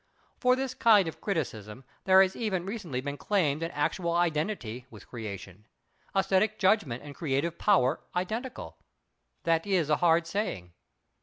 For this kind of criticism there has even recently been claimed an actual identity with creation. Esthetic judgment and creative power identical! That is a hard saying.